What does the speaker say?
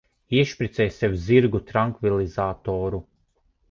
Iešpricē sev zirgu trankvilizatoru.